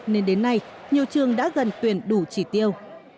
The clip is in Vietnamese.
nên đến nay nhiều trường đã gần tuyển đủ chỉ tiêu